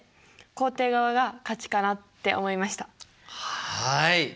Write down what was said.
はい。